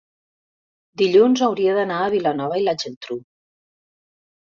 dilluns hauria d'anar a Vilanova i la Geltrú.